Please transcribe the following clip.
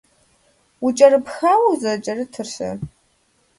УкӀэрыпхауэ узэрыкӀэрытыр-щэ?